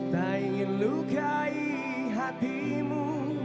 tak ingin lukai hatimu